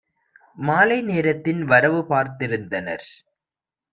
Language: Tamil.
மாலை நேரத்தின் வரவுபார்த் திருந்தனர்.